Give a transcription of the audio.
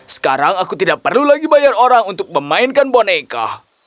sekarang aku tidak perlu lagi bayar orang untuk memainkan boneka